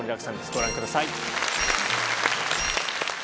ご覧ください。